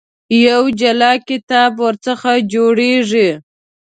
یو جلا کتاب ورڅخه جوړېږي.